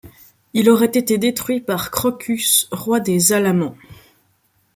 Il aurait été détruit par Chrocus, roi des Alamans.